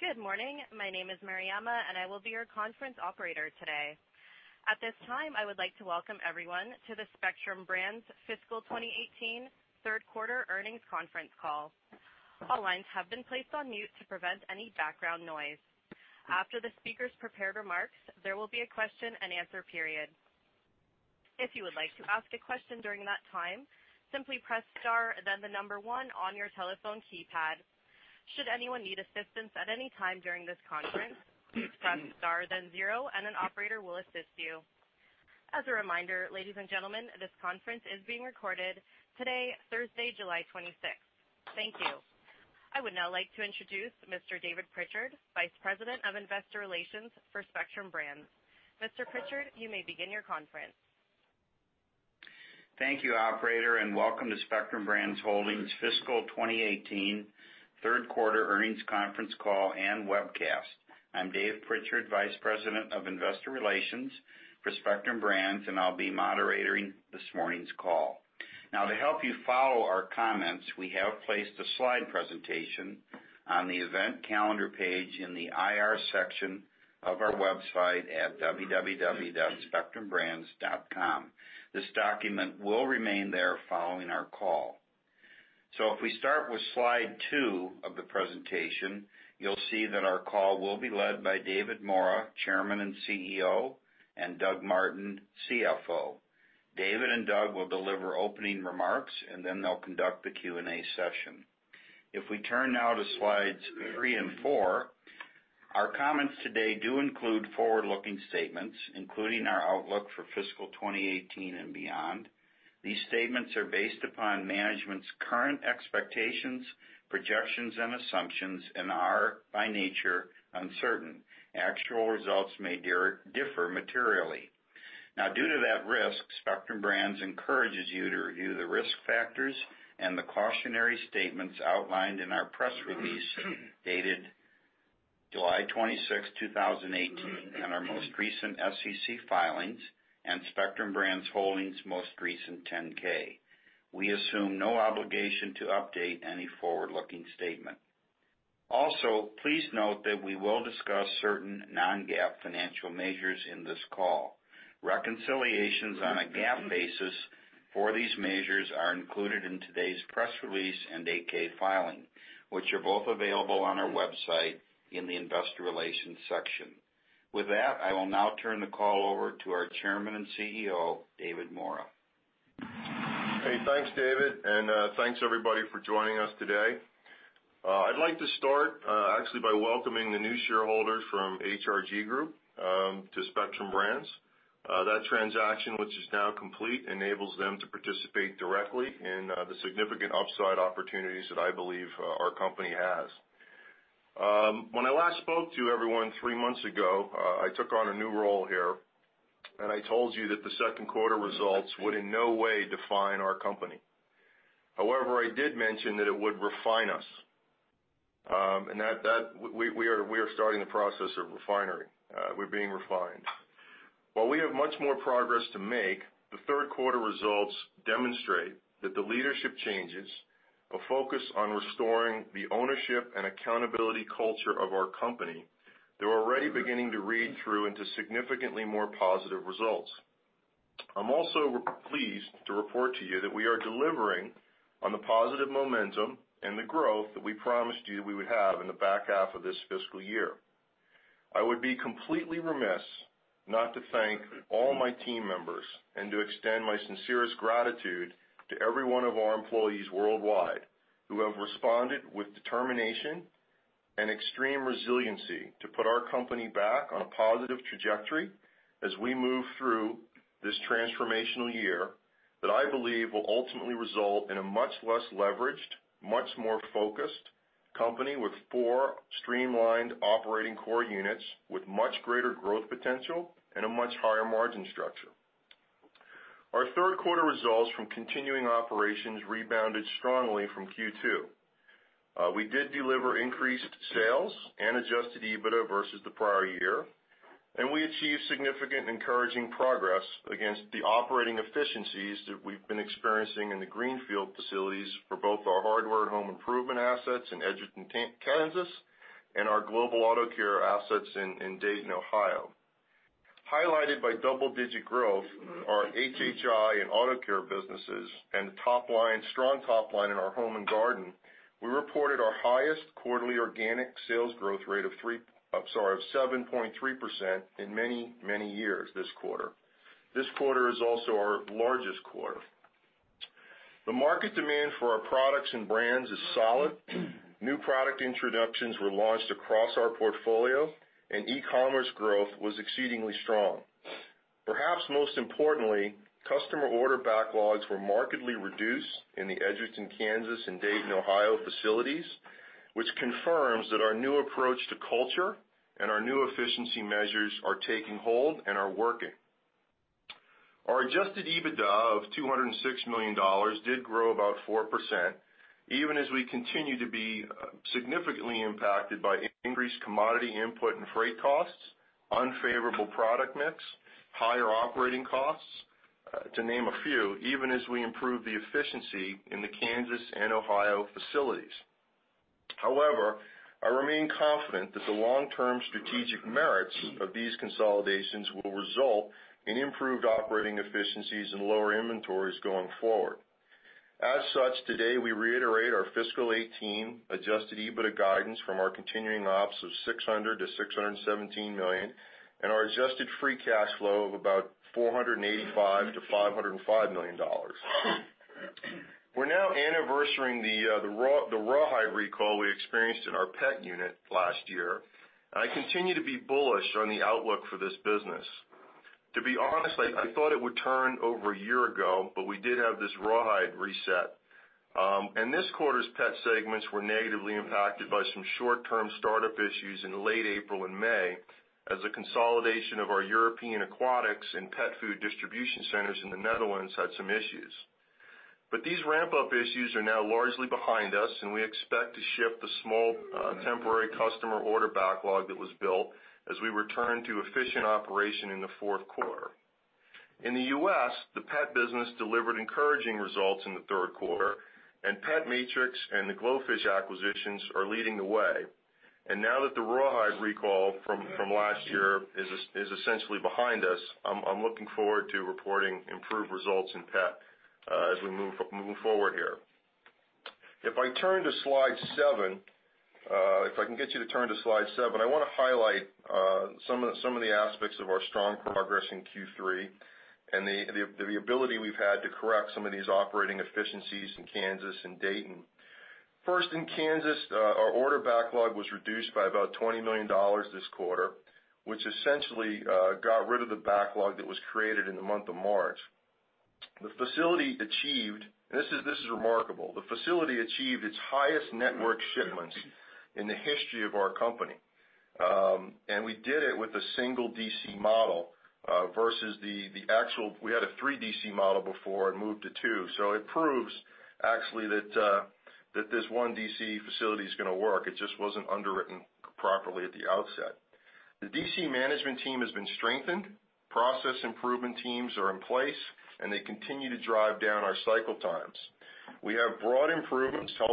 Good morning. My name is Mariama, I will be your conference operator today. At this time, I would like to welcome everyone to the Spectrum Brands Fiscal 2018 third quarter earnings conference call. All lines have been placed on mute to prevent any background noise. After the speakers' prepared remarks, there will be a question and answer period. If you would like to ask a question during that time, simply press star and then the number one on your telephone keypad. Should anyone need assistance at any time during this conference, please press star then zero, and an operator will assist you. As a reminder, ladies and gentlemen, this conference is being recorded today, Thursday, July 26th. Thank you. I would now like to introduce Mr. David Prichard, Vice President of Investor Relations for Spectrum Brands. Mr. Prichard, you may begin your conference. Thank you, operator, welcome to Spectrum Brands Holdings Fiscal 2018 third quarter earnings conference call and webcast. I'm Dave Prichard, Vice President of Investor Relations for Spectrum Brands, and I'll be moderating this morning's call. To help you follow our comments, we have placed a slide presentation on the event calendar page in the IR section of our website at www.spectrumbrands.com. This document will remain there following our call. If we start with slide two of the presentation, you'll see that our call will be led by David Maura, Chairman and CEO, and Doug Martin, CFO. David and Doug will deliver opening remarks, they'll conduct the Q&A session. If we turn now to slides three and four, our comments today do include forward-looking statements, including our outlook for fiscal 2018 and beyond. These statements are based upon management's current expectations, projections, and assumptions and are, by nature, uncertain. Actual results may differ materially. Due to that risk, Spectrum Brands encourages you to review the risk factors and the cautionary statements outlined in our press release dated July 26, 2018, and our most recent SEC filings and Spectrum Brands Holdings' most recent 10-K. We assume no obligation to update any forward-looking statement. Please note that we will discuss certain non-GAAP financial measures in this call. Reconciliations on a GAAP basis for these measures are included in today's press release and 8-K filing, which are both available on our website in the investor relations section. With that, I will now turn the call over to our Chairman and CEO, David Maura. Hey, thanks, David, thanks everybody for joining us today. I'd like to start actually by welcoming the new shareholders from HRG Group to Spectrum Brands. That transaction, which is now complete, enables them to participate directly in the significant upside opportunities that I believe our company has. When I last spoke to everyone three months ago, I took on a new role here, I told you that the second quarter results would in no way define our company. However, I did mention that it would refine us, and we are starting the process of refinery. We're being refined. While we have much more progress to make, the third quarter results demonstrate that the leadership changes will focus on restoring the ownership and accountability culture of our company. They're already beginning to read through into significantly more positive results. I'm also pleased to report to you that we are delivering on the positive momentum and the growth that we promised you we would have in the back half of this fiscal year. I would be completely remiss not to thank all my team members and to extend my sincerest gratitude to every one of our employees worldwide who have responded with determination and extreme resiliency to put our company back on a positive trajectory as we move through this transformational year that I believe will ultimately result in a much less leveraged, much more focused company with four streamlined operating core units with much greater growth potential and a much higher margin structure. Our third quarter results from continuing operations rebounded strongly from Q2. We did deliver increased sales and adjusted EBITDA versus the prior year. We achieved significant encouraging progress against the operating efficiencies that we've been experiencing in the greenfield facilities for both our Hardware and Home Improvement assets in Edgerton, Kansas, and our Global Auto Care assets in Dayton, Ohio. Highlighted by double-digit growth are HHI and Auto Care businesses and strong top line in our Home and Garden. We reported our highest quarterly organic sales growth rate of 7.3% in many, many years this quarter. This quarter is also our largest quarter. The market demand for our products and brands is solid. New product introductions were launched across our portfolio. E-commerce growth was exceedingly strong. Perhaps most importantly, customer order backlogs were markedly reduced in the Edgerton, Kansas, and Dayton, Ohio, facilities, which confirms that our new approach to culture and our new efficiency measures are taking hold and are working. Our adjusted EBITDA of $206 million did grow about 4%, even as we continue to be significantly impacted by increased commodity input and freight costs, unfavorable product mix, higher operating costs to name a few, even as we improve the efficiency in the Kansas and Ohio facilities. I remain confident that the long-term strategic merits of these consolidations will result in improved operating efficiencies and lower inventories going forward. Today, we reiterate our fiscal 2018 adjusted EBITDA guidance from our continuing ops of $600 million-$617 million, and our adjusted free cash flow of about $485 million-$505 million. We're now anniversarying the rawhide recall we experienced in our pet unit last year. I continue to be bullish on the outlook for this business. To be honest, I thought it would turn over a year ago, we did have this rawhide reset. This quarter's pet segments were negatively impacted by some short-term startup issues in late April and May, as the consolidation of our European aquatics and pet food distribution centers in the Netherlands had some issues. These ramp-up issues are now largely behind us, and we expect to ship the small temporary customer order backlog that was built as we return to efficient operation in the fourth quarter. In the U.S., the pet business delivered encouraging results in the third quarter, and PetMatrix and the GloFish acquisitions are leading the way. Now that the rawhide recall from last year is essentially behind us, I'm looking forward to reporting improved results in pet as we move forward here. If I can get you to turn to slide seven, I want to highlight some of the aspects of our strong progress in Q3 and the ability we've had to correct some of these operating efficiencies in Kansas and Dayton. First, in Kansas, our order backlog was reduced by about $20 million this quarter, which essentially got rid of the backlog that was created in the month of March. The facility achieved its highest network shipments in the history of our company. We did it with a single DC model versus the actual. We had a three DC model before and moved to two. It proves, actually, that this one DC facility is going to work. It just wasn't underwritten properly at the outset. The DC management team has been strengthened, process improvement teams are in place, and they continue to drive down our cycle times. We have broad improvements to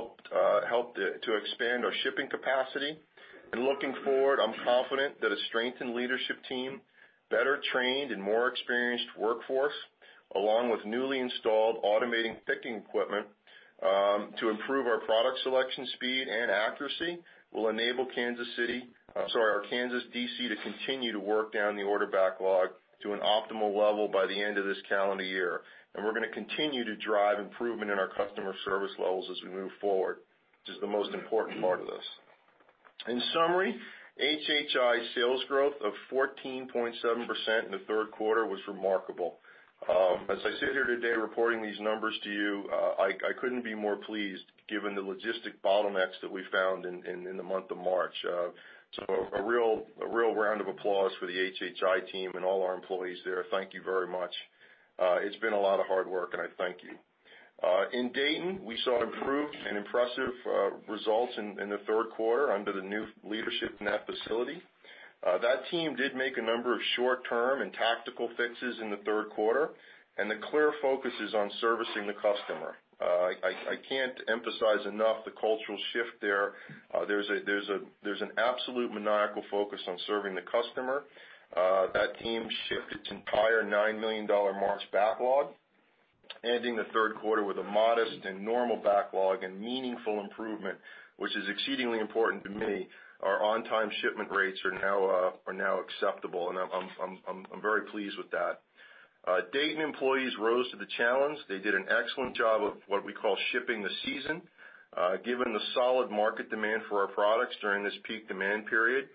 help to expand our shipping capacity. Looking forward, I'm confident that a strengthened leadership team, better trained and more experienced workforce, along with newly installed automating picking equipment to improve our product selection speed and accuracy, will enable Kansas City, sorry, our Kansas DC to continue to work down the order backlog to an optimal level by the end of this calendar year. We're going to continue to drive improvement in our customer service levels as we move forward. Which is the most important part of this. In summary, HHI sales growth of 14.7% in the third quarter was remarkable. As I sit here today reporting these numbers to you, I couldn't be more pleased given the logistic bottlenecks that we found in the month of March. A real round of applause for the HHI team and all our employees there. Thank you very much. It's been a lot of hard work, and I thank you. In Dayton, we saw improved and impressive results in the third quarter under the new leadership in that facility. That team did make a number of short-term and tactical fixes in the third quarter, and the clear focus is on servicing the customer. I can't emphasize enough the cultural shift there. There's an absolute maniacal focus on serving the customer. That team shipped its entire $9 million March backlog, ending the third quarter with a modest and normal backlog and meaningful improvement, which is exceedingly important to me. Our on-time shipment rates are now acceptable, and I'm very pleased with that. Dayton employees rose to the challenge. They did an excellent job of what we call shipping the season, given the solid market demand for our products during this peak demand period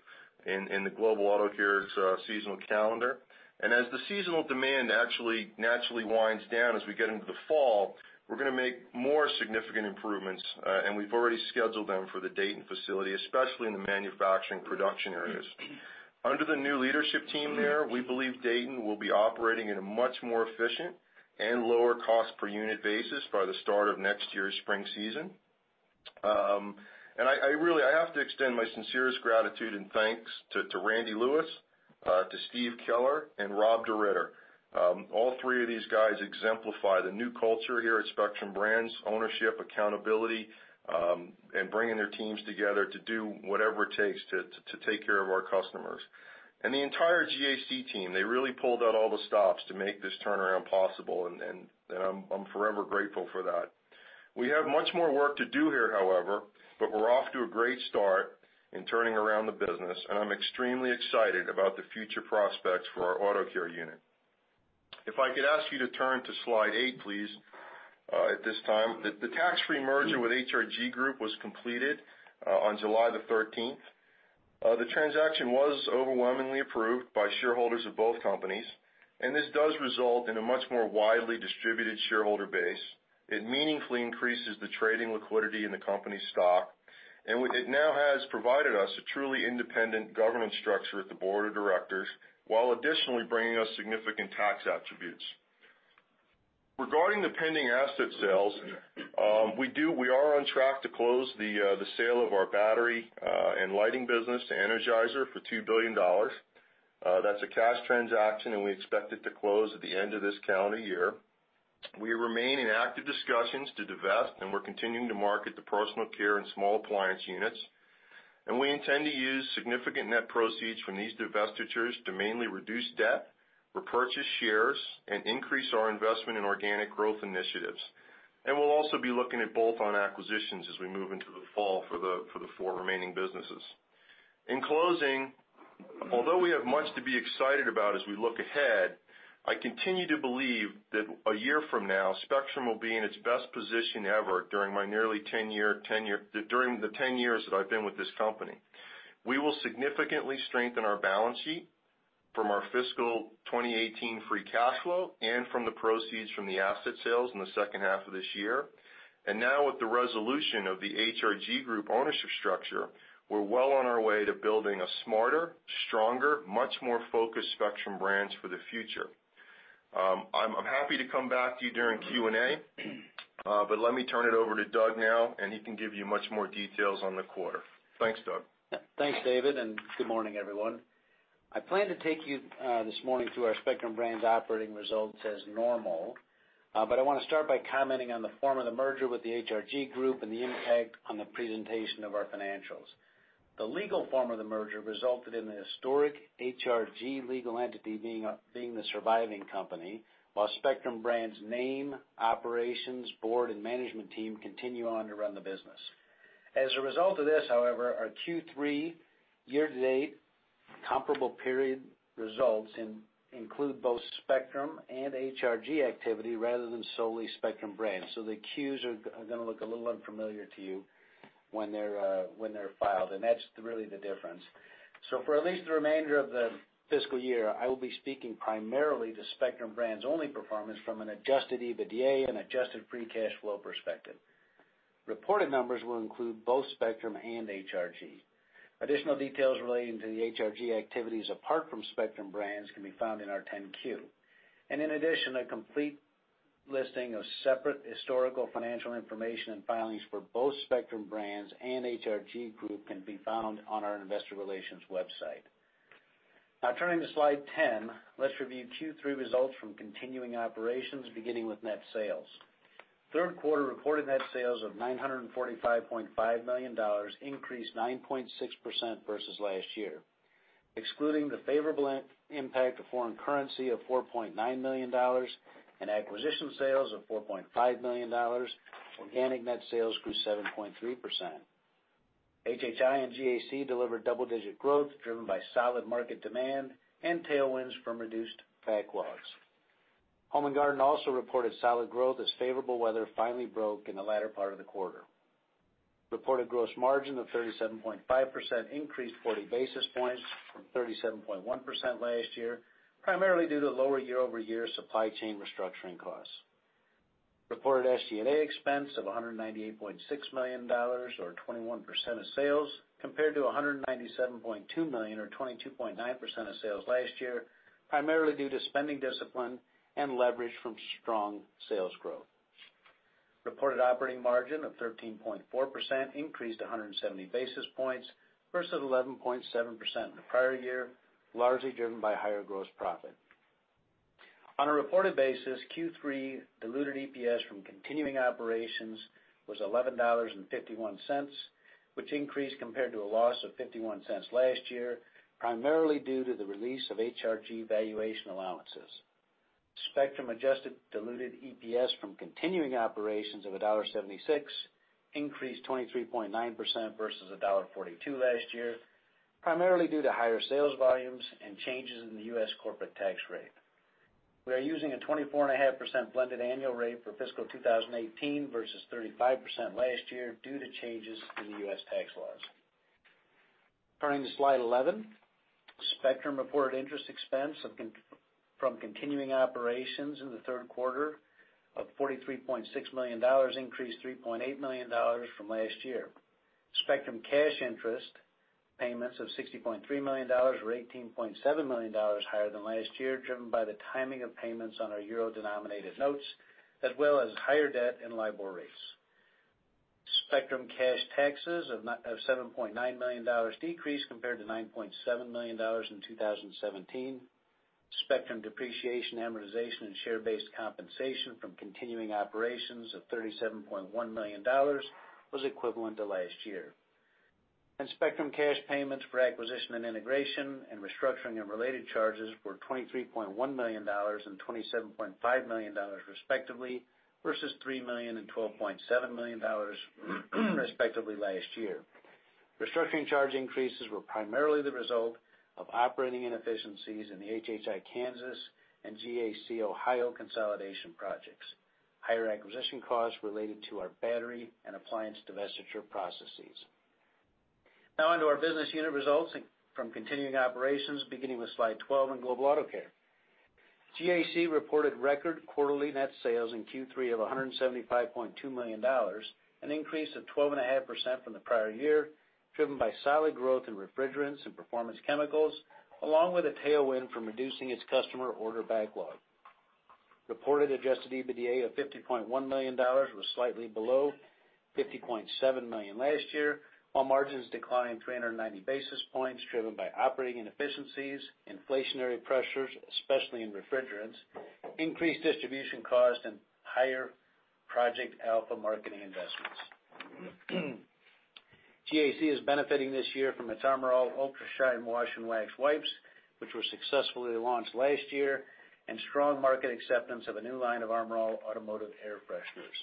in the Global Auto Care's seasonal calendar. As the seasonal demand actually naturally winds down as we get into the fall, we're going to make more significant improvements, and we've already scheduled them for the Dayton facility, especially in the manufacturing production areas. Under the new leadership team there, we believe Dayton will be operating at a much more efficient and lower cost per unit basis by the start of next year's spring season. I have to extend my sincerest gratitude and thanks to Randy Lewis, to Steve Keller and Rob DeRitter. All three of these guys exemplify the new culture here at Spectrum Brands, ownership, accountability, and bringing their teams together to do whatever it takes to take care of our customers. The entire GAC team, they really pulled out all the stops to make this turnaround possible, and I'm forever grateful for that. We have much more work to do here, however, but we're off to a great start in turning around the business, and I'm extremely excited about the future prospects for our Auto Care unit. If I could ask you to turn to slide eight, please, at this time. The tax-free merger with HRG Group was completed on July 13th. The transaction was overwhelmingly approved by shareholders of both companies, and this does result in a much more widely distributed shareholder base. It meaningfully increases the trading liquidity in the company's stock, and it now has provided us a truly independent governance structure at the board of directors, while additionally bringing us significant tax attributes. Regarding the pending asset sales, we are on track to close the sale of our battery and lighting business to Energizer for $2 billion. That's a cash transaction, and we expect it to close at the end of this calendar year. We remain in active discussions to divest, and we're continuing to market the personal care and small appliance units. We intend to use significant net proceeds from these divestitures to mainly reduce debt, repurchase shares, and increase our investment in organic growth initiatives. We'll also be looking at both on acquisitions as we move into the fall for the four remaining businesses. In closing, although we have much to be excited about as we look ahead, I continue to believe that a year from now, Spectrum will be in its best position ever during the 10 years that I've been with this company. We will significantly strengthen our balance sheet from our fiscal 2018 free cash flow and from the proceeds from the asset sales in the second half of this year. Now, with the resolution of the HRG Group ownership structure, we're well on our way to building a smarter, stronger, much more focused Spectrum Brands for the future. I'm happy to come back to you during Q&A, but let me turn it over to Doug now, and he can give you much more details on the quarter. Thanks, Doug. Thanks, David, and good morning, everyone. I plan to take you this morning through our Spectrum Brands operating results as normal, but I want to start by commenting on the form of the merger with the HRG Group and the impact on the presentation of our financials. The legal form of the merger resulted in the historic HRG legal entity being the surviving company, while Spectrum Brands' name, operations, board, and management team continue on to run the business. As a result of this, however, our Q3 year-to-date comparable period results include both Spectrum and HRG activity rather than solely Spectrum Brands. The Qs are going to look a little unfamiliar to you when they're filed, and that's really the difference. For at least the remainder of the fiscal year, I will be speaking primarily to Spectrum Brands' only performance from an adjusted EBITDA and adjusted free cash flow perspective. Reported numbers will include both Spectrum and HRG. Additional details relating to the HRG activities apart from Spectrum Brands can be found in our 10-Q. In addition, a complete listing of separate historical financial information and filings for both Spectrum Brands and HRG Group can be found on our investor relations website. Turning to slide 10, let's review Q3 results from continuing operations, beginning with net sales. Third quarter reported net sales of $945.5 million increased 9.6% versus last year. Excluding the favorable impact of foreign currency of $4.9 million and acquisition sales of $4.5 million, organic net sales grew 7.3%. HHI and GAC delivered double-digit growth, driven by solid market demand and tailwinds from reduced backlogs. Home & Garden also reported solid growth as favorable weather finally broke in the latter part of the quarter. Reported gross margin of 37.5% increased 40 basis points from 37.1% last year, primarily due to lower year-over-year supply chain restructuring costs. Reported SG&A expense of $198.6 million or 21% of sales, compared to $197.2 million or 22.9% of sales last year, primarily due to spending discipline and leverage from strong sales growth. Reported operating margin of 13.4% increased 170 basis points versus 11.7% in the prior year, largely driven by higher gross profit. On a reported basis, Q3 diluted EPS from continuing operations was $11.51, which increased compared to a loss of $0.51 last year, primarily due to the release of HRG valuation allowances. Spectrum adjusted diluted EPS from continuing operations of $1.76 increased 23.9% versus $1.42 last year, primarily due to higher sales volumes and changes in the U.S. corporate tax rate. We are using a 24.5% blended annual rate for FY 2018 versus 35% last year due to changes in the U.S. tax laws. Turning to slide 11. Spectrum reported interest expense from continuing operations in the third quarter of $43.6 million, increased $3.8 million from last year. Spectrum cash interest payments of $60.3 million were $18.7 million higher than last year, driven by the timing of payments on our euro-denominated notes, as well as higher debt and LIBOR rates. Spectrum cash taxes of $7.9 million decrease compared to $9.7 million in 2017. Spectrum depreciation, amortization, and share-based compensation from continuing operations of $37.1 million was equivalent to last year. Spectrum cash payments for acquisition and integration and restructuring and related charges were $23.1 million and $27.5 million, respectively, versus $3 million and $12.7 million, respectively, last year. Restructuring charge increases were primarily the result of operating inefficiencies in the HHI Kansas and GAC Ohio consolidation projects. Higher acquisition costs related to our battery and appliance divestiture processes. On to our business unit results from continuing operations, beginning with slide 12 on Global Auto Care. GAC reported record quarterly net sales in Q3 of $175.2 million, an increase of 12.5% from the prior year, driven by solid growth in refrigerants and performance chemicals, along with a tailwind from reducing its customer order backlog. Reported adjusted EBITDA of $50.1 million was slightly below $50.7 million last year, while margins declined 390 basis points, driven by operating inefficiencies, inflationary pressures, especially in refrigerants, increased distribution costs, and higher Project Alpha marketing investments. GAC is benefiting this year from its Armor All Ultra Shine Wash and Wax Wipes, which were successfully launched last year, and strong market acceptance of a new line of Armor All automotive air fresheners.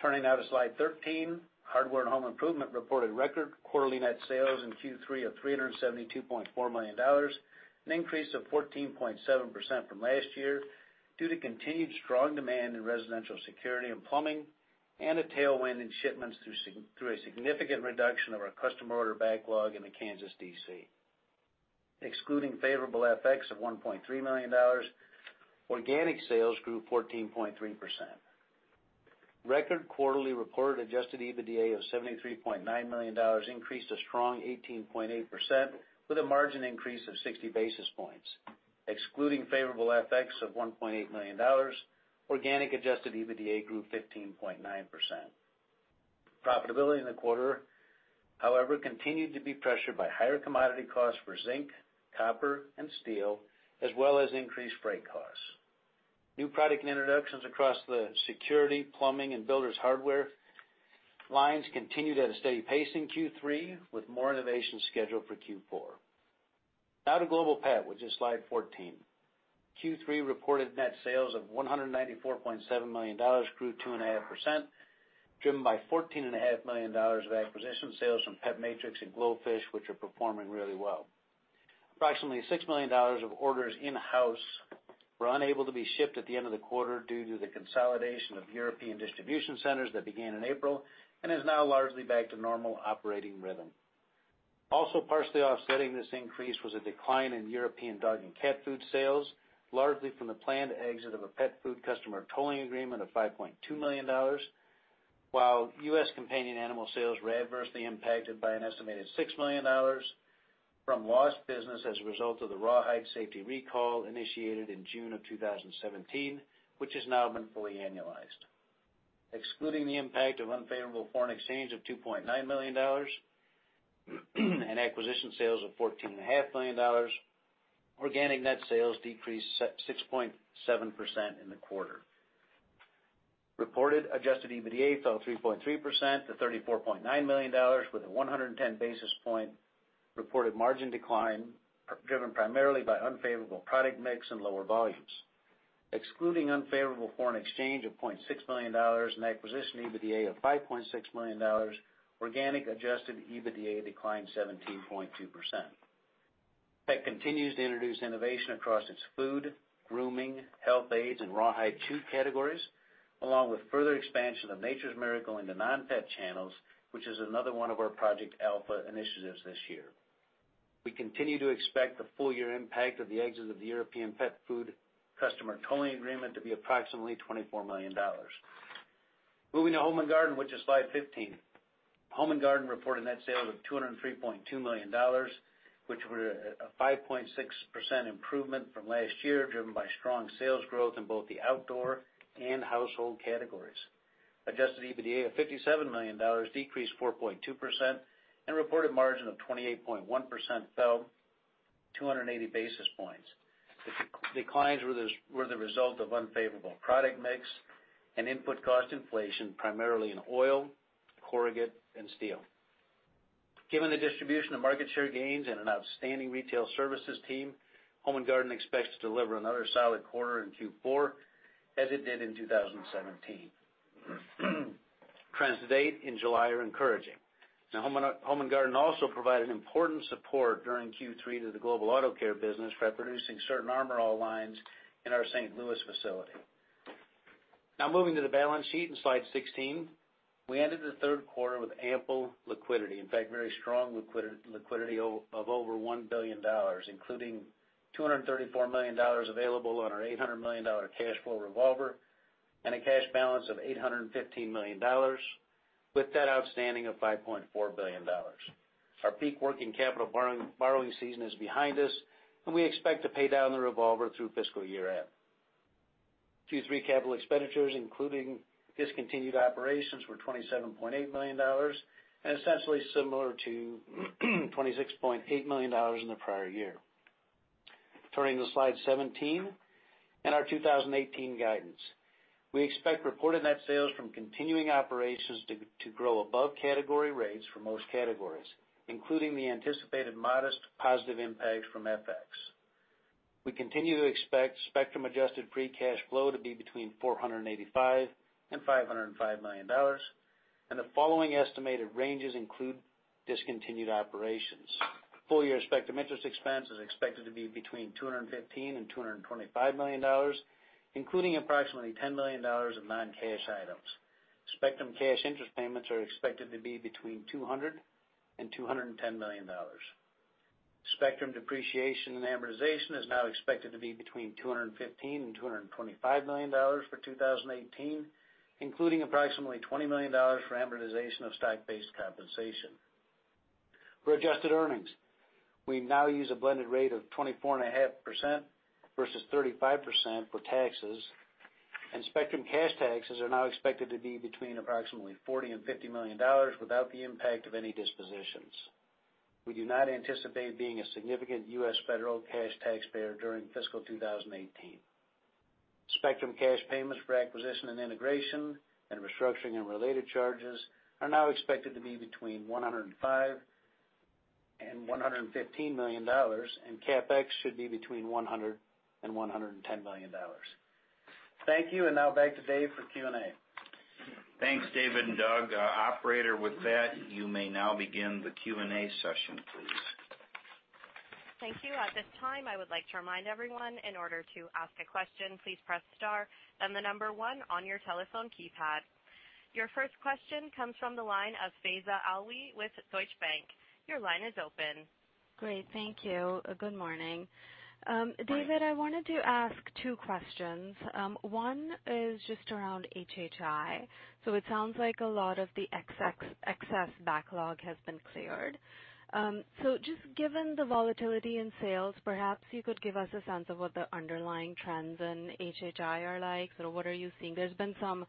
Turning now to Slide 13, Hardware and Home Improvement reported record quarterly net sales in Q3 of $372.4 million, an increase of 14.7% from last year, due to continued strong demand in residential security and plumbing, and a tailwind in shipments through a significant reduction of our custom order backlog in the Kansas DC. Excluding favorable FX of $1.3 million, organic sales grew 14.3%. Record quarterly reported adjusted EBITDA of $73.9 million increased a strong 18.8%, with a margin increase of 60 basis points. Excluding favorable FX of $1.8 million, organic adjusted EBITDA grew 15.9%. Profitability in the quarter, however, continued to be pressured by higher commodity costs for zinc, copper, and steel, as well as increased freight costs. New product introductions across the security, plumbing, and builder's hardware lines continued at a steady pace in Q3, with more innovations scheduled for Q4. Now to Global Pet, which is Slide 14. Q3 reported net sales of $194.7 million grew 2.5%, driven by $14.5 million of acquisition sales from Pet Matrix and GloFish, which are performing really well. Approximately $6 million of orders in-house were unable to be shipped at the end of the quarter due to the consolidation of European distribution centers that began in April and is now largely back to normal operating rhythm. Also partially offsetting this increase was a decline in European dog and cat food sales, largely from the planned exit of a pet food customer tolling agreement of $5.2 million. While U.S. companion animal sales were adversely impacted by an estimated $6 million from lost business as a result of the raw hide safety recall initiated in June of 2017, which has now been fully annualized. Excluding the impact of unfavorable foreign exchange of $2.9 million and acquisition sales of $14.5 million, organic net sales decreased 6.7% in the quarter. Reported adjusted EBITDA fell 3.3% to $34.9 million, with a 110 basis point reported margin decline, driven primarily by unfavorable product mix and lower volumes. Excluding unfavorable foreign exchange of $0.6 million and acquisition EBITDA of $5.6 million, organic adjusted EBITDA declined 17.2%. Pet continues to introduce innovation across its food, grooming, health aids, and raw hide chew categories, along with further expansion of Nature's Miracle into non-pet channels, which is another one of our Project Alpha initiatives this year. We continue to expect the full-year impact of the exit of the European pet food customer tolling agreement to be approximately $24 million. Moving to Home and Garden, which is Slide 15. Home and Garden reported net sales of $203.2 million, which were a 5.6% improvement from last year, driven by strong sales growth in both the outdoor and household categories. Adjusted EBITDA of $57 million decreased 4.2%. Reported margin of 28.1% fell 280 basis points. The declines were the result of unfavorable product mix and input cost inflation, primarily in oil, corrugate, and steel. Given the distribution of market share gains and an outstanding retail services team, Home and Garden expects to deliver another solid quarter in Q4 as it did in 2017. Trends to date in July are encouraging. Home and Garden also provided important support during Q3 to the Global Auto Care business by producing certain Armor All lines in our St. Louis facility. Moving to the balance sheet in Slide 16. We ended the third quarter with ample liquidity. In fact, very strong liquidity of over $1 billion, including $234 million available on our $800 million cash flow revolver and a cash balance of $815 million, with debt outstanding of $5.4 billion. Our peak working capital borrowing season is behind us. We expect to pay down the revolver through fiscal year end. Q3 capital expenditures, including discontinued operations, were $27.8 million, essentially similar to $26.8 million in the prior year. Turning to Slide 17 and our 2018 guidance. We expect reported net sales from continuing operations to grow above category rates for most categories, including the anticipated modest positive impact from FX. We continue to expect Spectrum-adjusted free cash flow to be between $485 and $505 million. The following estimated ranges include discontinued operations. Full-year Spectrum interest expense is expected to be between $215 and $225 million, including approximately $10 million of non-cash items. Spectrum cash interest payments are expected to be between $200 and $210 million. Spectrum depreciation and amortization is now expected to be between $215 and $225 million for 2018, including approximately $20 million for amortization of stock-based compensation. For adjusted earnings, we now use a blended rate of 24.5% versus 35% for taxes. Spectrum cash taxes are now expected to be between approximately $40 and $50 million without the impact of any dispositions. We do not anticipate being a significant U.S. federal cash taxpayer during fiscal 2018. Spectrum cash payments for acquisition and integration and restructuring and related charges are now expected to be between $105 and $115 million. CapEx should be between $100 and $110 million. Thank you. Now back to Dave for Q&A. Thanks, David and Doug. Operator, with that, you may now begin the Q&A session, please. Thank you. At this time, I would like to remind everyone, in order to ask a question, please press star, then the number one on your telephone keypad. Your first question comes from the line of Faiza Alwy with Deutsche Bank. Your line is open. Great. Thank you. Good morning. Morning. David, I wanted to ask two questions. One is just around HHI. it sounds like a lot of the excess backlog has been cleared. just given the volatility in sales, perhaps you could give us a sense of what the underlying trends in HHI are like. what are you seeing? There's been some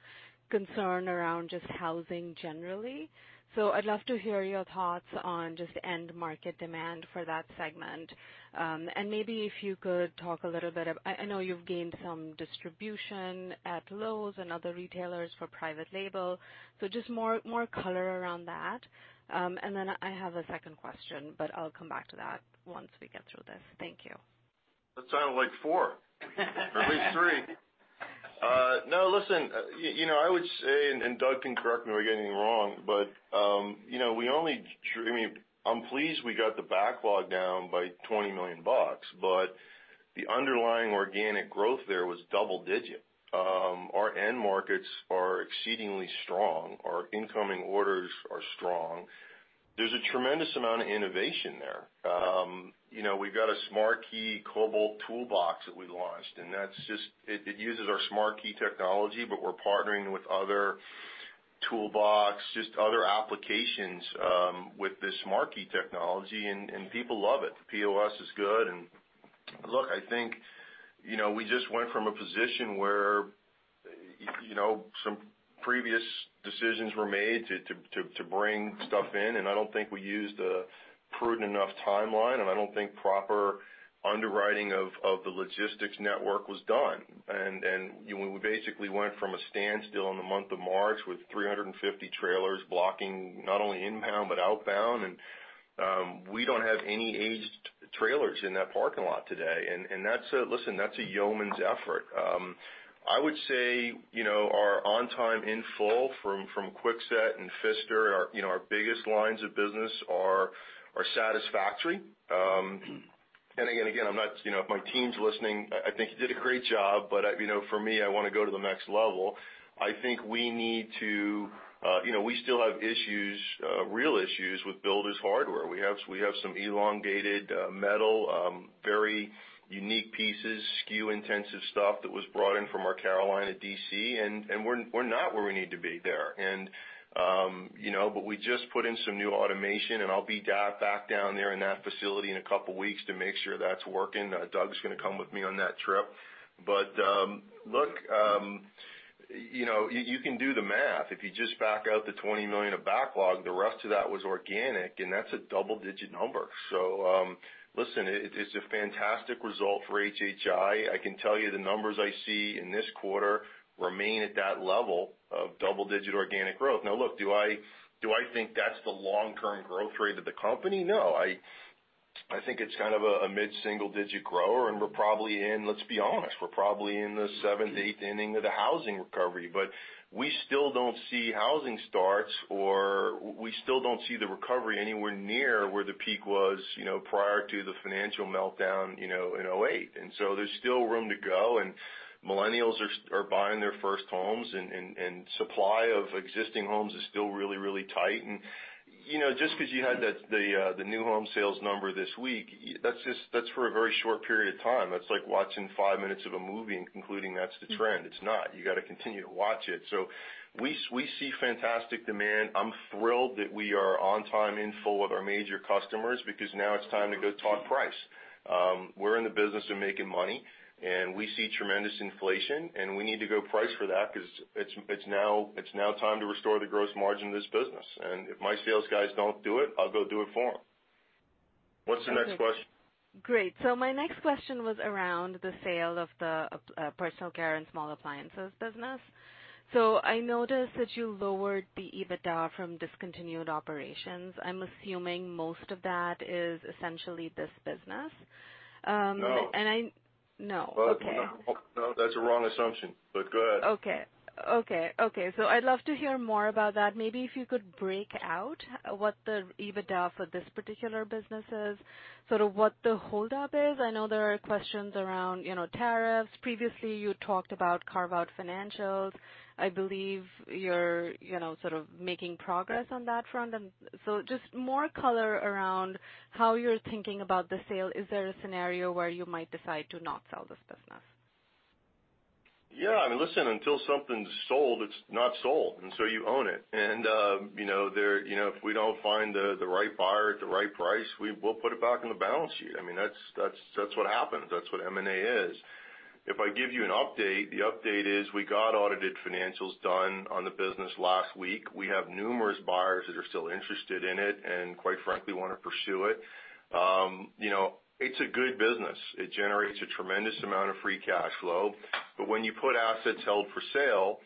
concern around just housing generally, I'd love to hear your thoughts on just end market demand for that segment. maybe if you could talk a little bit I know you've gained some distribution at Lowe's and other retailers for private label, so just more color around that. then I have a second question, but I'll come back to that once we get through this. Thank you. That sounded like four. at least three. No, listen, I would say, and Doug can correct me if I get anything wrong, but I'm pleased we got the backlog down by $20 million, but the underlying organic growth there was double digit. Our end markets are exceedingly strong. Our incoming orders are strong. There's a tremendous amount of innovation there. We've got a SmartKey Cobalt toolbox that we launched, and it uses our SmartKey technology, but we're partnering with other toolbox, just other applications, with the SmartKey technology, and people love it. The POS is good. look, I think, we just went from a position where some previous decisions were made to bring stuff in, and I don't think we used a prudent enough timeline, and I don't think proper underwriting of the logistics network was done. We basically went from a standstill in the month of March with 350 trailers blocking, not only inbound, but outbound, and we don't have any aged trailers in that parking lot today. That's a yeoman's effort. I would say, our on time in full from Kwikset and Pfister, our biggest lines of business, are satisfactory. Again, if my team's listening, I think you did a great job, but for me, I want to go to the next level. I think we still have real issues with builder's hardware. We have some elongated metal, very unique pieces, SKU-intensive stuff that was brought in from our Chapin DC, and we're not where we need to be there. We just put in some new automation, and I'll be back down there in that facility in a couple of weeks to make sure that's working. Doug's going to come with me on that trip. Look, you can do the math. If you just back out the $20 million of backlog, the rest of that was organic, and that's a double-digit number. Listen, it's a fantastic result for HHI. I can tell you the numbers I see in this quarter remain at that level of double-digit organic growth. Look, do I think that's the long-term growth rate of the company? No. I think it's kind of a mid-single digit grower, and we're probably in, let's be honest, we're probably in the seventh, eighth inning of the housing recovery. We still don't see housing starts, or we still don't see the recovery anywhere near where the peak was prior to the financial meltdown in 2008. There's still room to go, and millennials are buying their first homes and supply of existing homes is still really tight. Just because you had the new home sales number this week, that's for a very short period of time. That's like watching five minutes of a movie and concluding that's the trend. It's not. You got to continue to watch it. We see fantastic demand. I'm thrilled that we are on time in full with our major customers because now it's time to go talk price. We're in the business of making money, and we see tremendous inflation, and we need to go price for that because it's now time to restore the gross margin of this business. If my sales guys don't do it, I'll go do it for them. What's the next question? Great. My next question was around the sale of the personal care and small appliances business. I noticed that you lowered the EBITDA from discontinued operations. I'm assuming most of that is essentially this business. No. No? Okay. No, that's a wrong assumption, but go ahead. Okay. I'd love to hear more about that. Maybe if you could break out what the EBITDA for this particular business is, sort of what the hold-up is. I know there are questions around tariffs. Previously, you talked about carve-out financials. I believe you're sort of making progress on that front. Just more color around how you're thinking about the sale. Is there a scenario where you might decide to not sell this business? Yeah. Listen, until something's sold, it's not sold, you own it. If we don't find the right buyer at the right price, we'll put it back on the balance sheet. That's what happens. That's what M&A is. If I give you an update, the update is we got audited financials done on the business last week. We have numerous buyers that are still interested in it and quite frankly, want to pursue it. It's a good business. It generates a tremendous amount of free cash flow. When you put assets held for sale,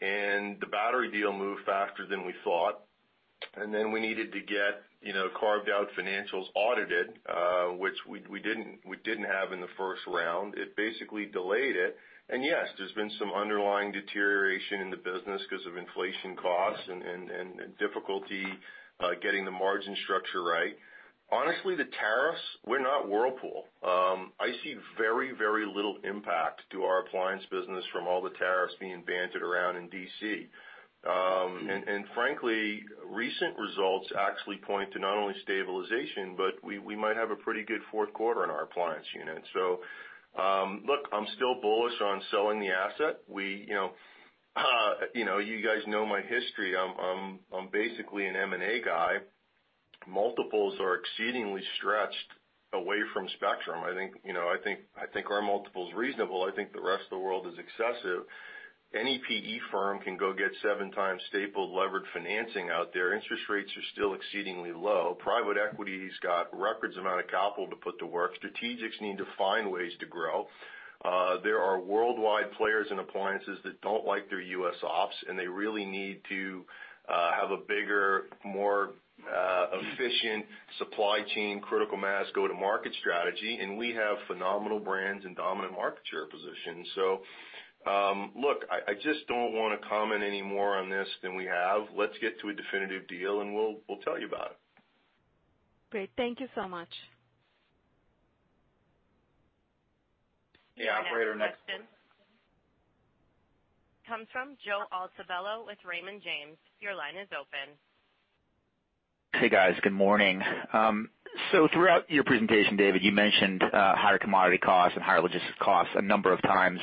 and the battery deal moved faster than we thought, and then we needed to get carved-out financials audited, which we didn't have in the first round, it basically delayed it. Yes, there's been some underlying deterioration in the business because of inflation costs and difficulty getting the margin structure right. Honestly, the tariffs, we're not Whirlpool. I see very, very little impact to our appliance business from all the tariffs being bantered around in D.C. Frankly, recent results actually point to not only stabilization, but we might have a pretty good fourth quarter in our appliance unit. Look, I'm still bullish on selling the asset. You guys know my history. I'm basically an M&A guy. Multiples are exceedingly stretched away from Spectrum. I think our multiple's reasonable. I think the rest of the world is excessive. Any PE firm can go get 7x stapled levered financing out there. Interest rates are still exceedingly low. Private equity's got records amount of capital to put to work. Strategics need to find ways to grow. There are worldwide players in appliances that don't like their U.S. ops. They really need to have a bigger, more efficient supply chain, critical mass, go-to-market strategy. We have phenomenal brands and dominant market share positions. Look, I just don't want to comment any more on this than we have. Let's get to a definitive deal, we'll tell you about it. Great. Thank you so much. Yeah. Operator, next. Your next question comes from Joseph Altobello with Raymond James. Your line is open. Hey, guys. Good morning. Throughout your presentation, David, you mentioned higher commodity costs and higher logistic costs a number of times,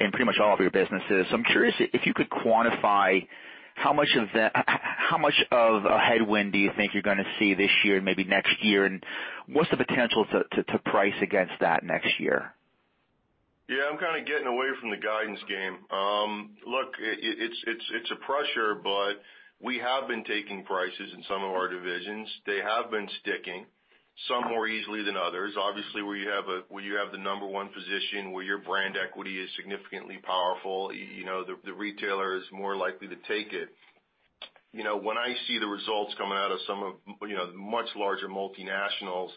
in pretty much all of your businesses. I'm curious if you could quantify how much of a headwind do you think you're going to see this year and maybe next year, and what's the potential to price against that next year? Yeah, I'm kind of getting away from the guidance game. Look, it's a pressure, but we have been taking prices in some of our divisions. They have been sticking, some more easily than others. Obviously, where you have the number 1 position, where your brand equity is significantly powerful, the retailer is more likely to take it. When I see the results coming out of some of the much larger multinationals,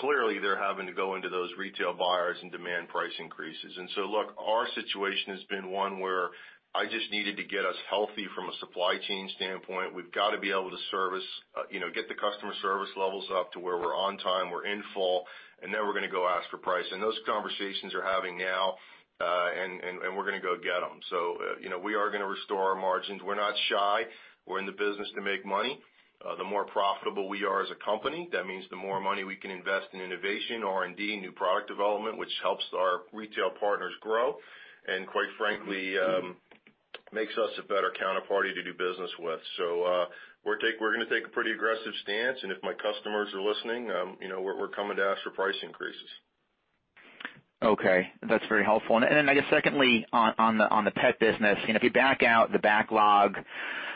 clearly they're having to go into those retail buyers and demand price increases. Look, our situation has been one where I just needed to get us healthy from a supply chain standpoint. We've got to be able to get the customer service levels up to where we're on time, we're in full, and then we're going to go ask for price. Those conversations we're having now, and we're going to go get them. We are going to restore our margins. We're not shy. We're in the business to make money. The more profitable we are as a company, that means the more money we can invest in innovation, R&D, new product development, which helps our retail partners grow, and quite frankly, makes us a better counterparty to do business with. We're going to take a pretty aggressive stance, and if my customers are listening, we're coming to ask for price increases. Okay. That's very helpful. Then, I guess secondly, on the pet business, if you back out the backlog,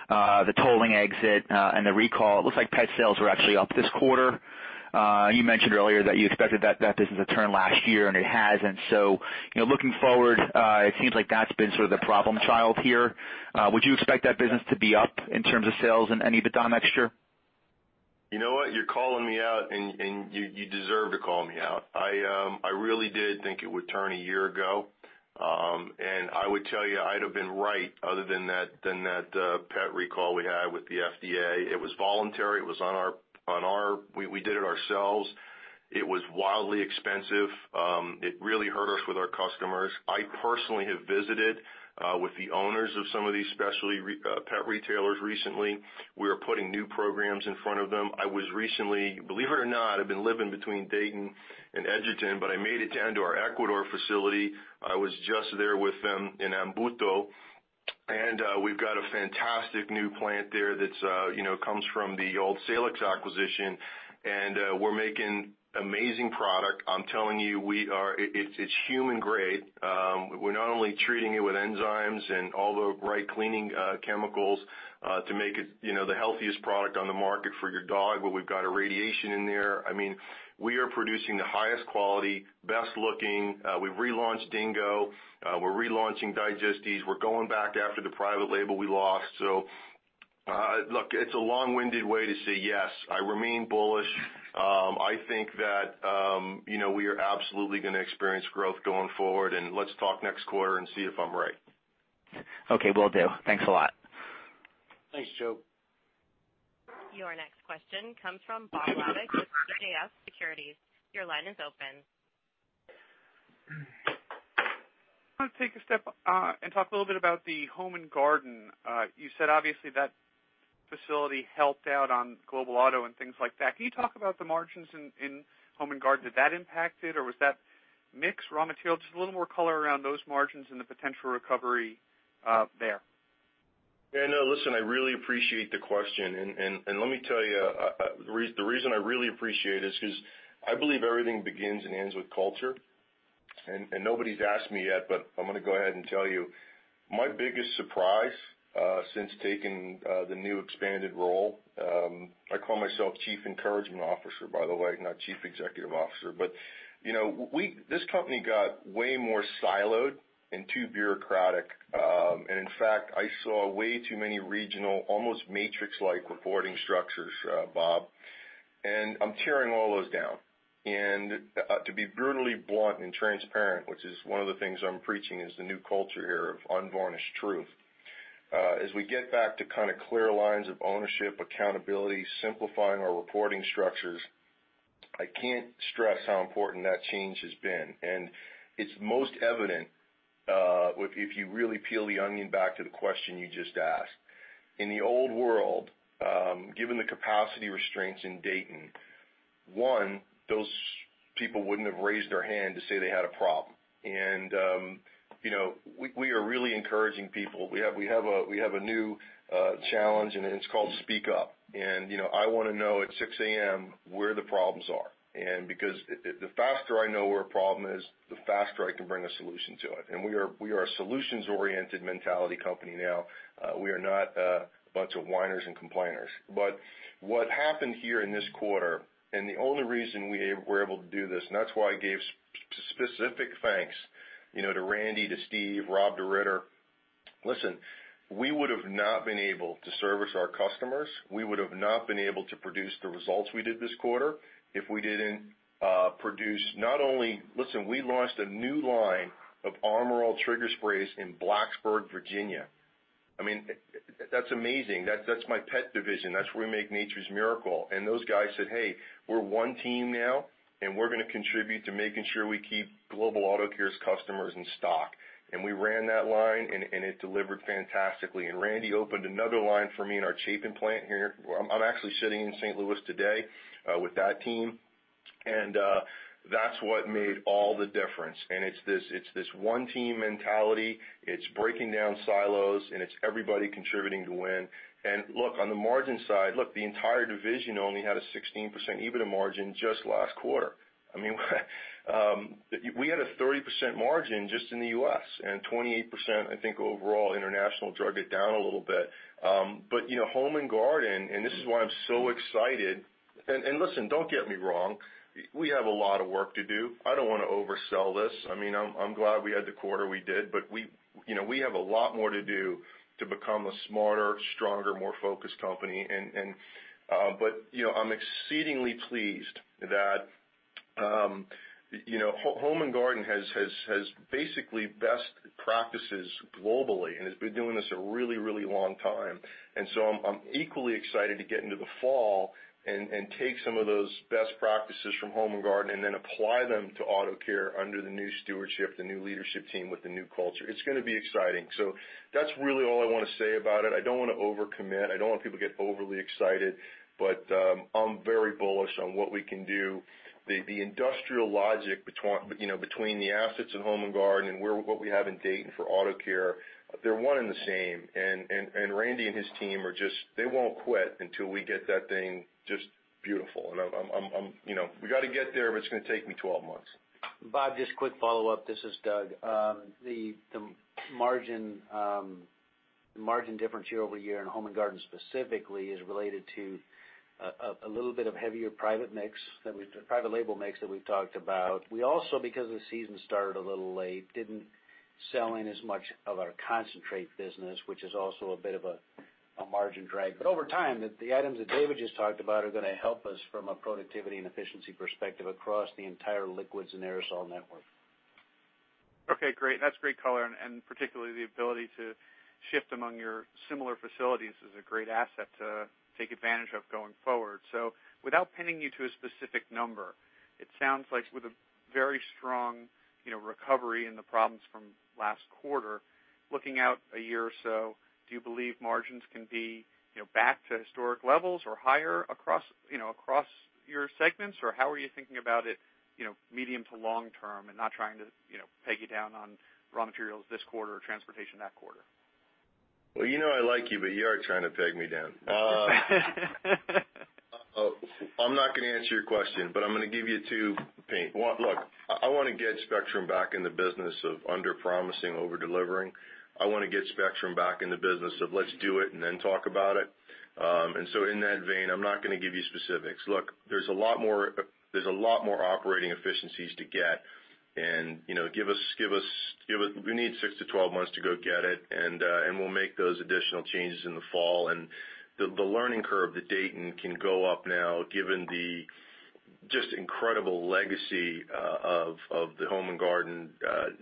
the tolling exit, and the recall, it looks like pet sales were actually up this quarter. You mentioned earlier that you expected that business to turn last year and it hasn't. Looking forward, it seems like that's been sort of the problem child here. Would you expect that business to be up in terms of sales and EBITDA next year? You know what? You're calling me out, you deserve to call me out. I really did think it would turn a year ago. I would tell you I'd have been right other than that pet recall we had with the FDA. It was voluntary. We did it ourselves. It was wildly expensive. It really hurt us with our customers. I personally have visited with the owners of some of these specialty pet retailers recently. We are putting new programs in front of them. Believe it or not, I've been living between Dayton and Edgerton, but I made it down to our Ecuador facility. I was just there with them in Ambato, and we've got a fantastic new plant there that comes from the old Salix acquisition, and we're making amazing product. I'm telling you, it's human grade. We're not only treating it with enzymes and all the right cleaning chemicals to make it the healthiest product on the market for your dog, we've got irradiation in there. We are producing the highest quality, best looking. We've relaunched Dingo. We're relaunching Digesteeze. We're going back after the private label we lost. Look, it's a long-winded way to say yes, I remain bullish. I think that we are absolutely going to experience growth going forward, let's talk next quarter and see if I'm right. Okay. Will do. Thanks a lot. Thanks, Joe. Your next question comes from Bob Labick with CJS Securities. Your line is open. I want to take a step and talk a little bit about the Home and Garden. You said obviously that Facility helped out on Global Auto and things like that. Can you talk about the margins in Home and Garden? Did that impact it, or was that mix raw material? Just a little more color around those margins and the potential recovery there. Yeah, I know. Listen, I really appreciate the question. Let me tell you, the reason I really appreciate it is because I believe everything begins and ends with culture. Nobody's asked me yet, but I'm going to go ahead and tell you my biggest surprise since taking the new expanded role. I call myself chief encouragement officer, by the way, not Chief Executive Officer. This company got way more siloed and too bureaucratic. In fact, I saw way too many regional, almost matrix-like reporting structures, Bob, and I'm tearing all those down. To be brutally blunt and transparent, which is one of the things I'm preaching, is the new culture here of unvarnished truth. As we get back to kind of clear lines of ownership, accountability, simplifying our reporting structures, I can't stress how important that change has been. It's most evident, if you really peel the onion back to the question you just asked. In the old world, given the capacity restraints in Dayton, one, those people wouldn't have raised their hand to say they had a problem. We are really encouraging people. We have a new challenge, and it's called Speak Up. I want to know at 6:00 A.M. where the problems are, because the faster I know where a problem is, the faster I can bring a solution to it. We are a solutions-oriented mentality company now. We are not a bunch of whiners and complainers. What happened here in this quarter, and the only reason we were able to do this, and that's why I gave specific thanks to Randy, to Steve, Rob DeRitter. Listen, we would have not been able to service our customers, we would have not been able to produce the results we did this quarter if we didn't produce. Listen, we launched a new line of Armor All trigger sprays in Blacksburg, Virginia. That's amazing. That's my pet division. That's where we make Nature's Miracle. Those guys said, "Hey, we're one team now, and we're going to contribute to making sure we keep Global Auto Care's customers in stock." We ran that line, and it delivered fantastically. Randy opened another line for me in our Chapin plant here. I'm actually sitting in St. Louis today with that team, and that's what made all the difference. It's this one team mentality. It's breaking down silos, and it's everybody contributing to win. Look, on the margin side, look, the entire division only had a 16% EBITDA margin just last quarter. We had a 30% margin just in the U.S., and 28%, I think, overall, international drug it down a little bit. Home and Garden, and this is why I'm so excited. Listen, don't get me wrong, we have a lot of work to do. I don't want to oversell this. I'm glad we had the quarter we did, but we have a lot more to do to become a smarter, stronger, more focused company. I'm exceedingly pleased that Home and Garden has basically best practices globally and has been doing this a really long time. I'm equally excited to get into the fall and take some of those best practices from Home and Garden and then apply them to Auto Care under the new stewardship, the new leadership team with the new culture. It's going to be exciting. That's really all I want to say about it. I don't want to over-commit. I don't want people to get overly excited, but I'm very bullish on what we can do. The industrial logic between the assets in Home and Garden and what we have in Dayton for Auto Care, they're one and the same. Randy and his team won't quit until we get that thing just beautiful. We got to get there, but it's going to take me 12 months. Bob, just quick follow-up. This is Doug. The margin difference year-over-year in Home and Garden specifically is related to a little bit of heavier private label mix that we've talked about. We also, because the season started a little late, didn't sell in as much of our concentrate business, which is also a bit of a margin drag. Over time, the items that David just talked about are going to help us from a productivity and efficiency perspective across the entire liquids and aerosol network. Okay, great. That's great color. Particularly the ability to shift among your similar facilities is a great asset to take advantage of going forward. Without pinning you to a specific number, it sounds like with a very strong recovery in the problems from last quarter, looking out a year or so, do you believe margins can be back to historic levels or higher across your segments? How are you thinking about it medium to long term and not trying to peg you down on raw materials this quarter or transportation that quarter? You know I like you. You are trying to peg me down. I'm not going to answer your question. I'm going to give you two points. I want to get Spectrum back in the business of under-promising, over-delivering. I want to get Spectrum back in the business of let's do it and then talk about it. In that vein, I'm not going to give you specifics. There's a lot more operating efficiencies to get. We need six to 12 months to go get it. We'll make those additional changes in the fall. The learning curve that Dayton can go up now, given the just incredible legacy of the Home and Garden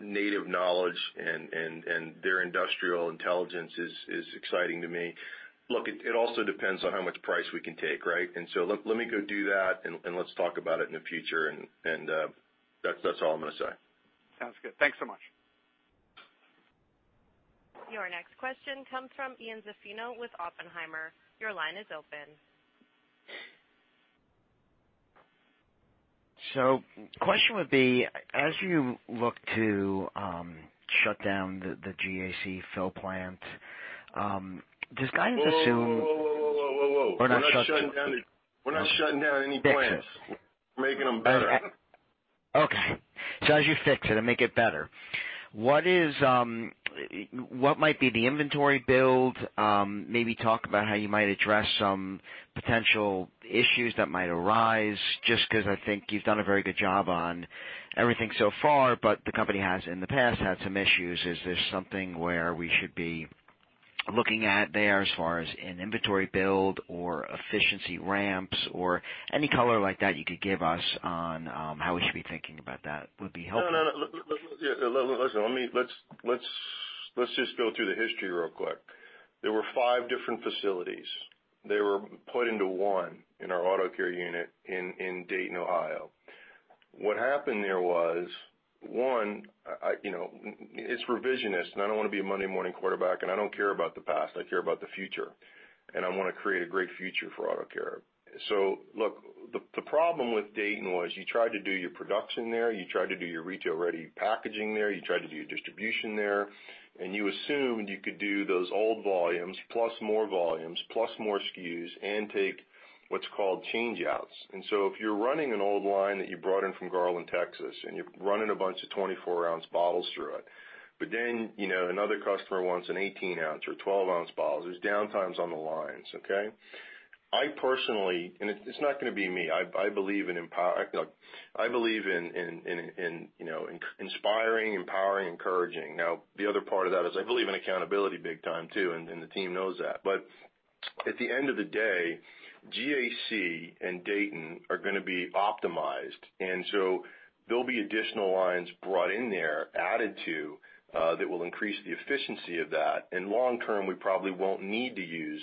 native knowledge and their industrial intelligence is exciting to me. It also depends on how much price we can take, right? Let me go do that. Let's talk about it in the future. That's all I'm going to say. Sounds good. Thanks so much. Your next question comes from Ian Zaffino with Oppenheimer. Your line is open. The question would be, as you look to shut down the GAC fill plant, does guidance assume Whoa. Not shut down We're not shutting down any plants. Fix. We're making them better. As you fix it and make it better, what might be the inventory build? Maybe talk about how you might address some potential issues that might arise, just because I think you've done a very good job on everything so far, but the company has, in the past, had some issues. Is this something where we should be looking at there as far as an inventory build or efficiency ramps or any color like that you could give us on how we should be thinking about that would be helpful. Listen, let's just go through the history real quick. There were five different facilities. They were put into one in our Auto Care unit in Dayton, Ohio. What happened there was, one, it's revisionist, and I don't want to be a Monday morning quarterback, and I don't care about the past. I care about the future, and I want to create a great future for Auto Care. Look, the problem with Dayton was you tried to do your production there, you tried to do your retail-ready packaging there, you tried to do your distribution there, and you assumed you could do those old volumes plus more volumes, plus more SKUs, and take what's called change outs. If you're running an old line that you brought in from Garland, Texas, and you're running a bunch of 24-ounce bottles through it, but then another customer wants an 18-ounce or 12-ounce bottle, there's downtimes on the lines, okay? I personally, it's not going to be me. I believe in inspiring, empowering, encouraging. Now, the other part of that is I believe in accountability big time, too, and the team knows that. At the end of the day, GAC and Dayton are going to be optimized, there will be additional lines brought in there, added to, that will increase the efficiency of that. Long term, we probably won't need to use